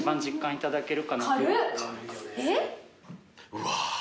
うわ。